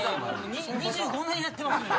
２５年やってますんで。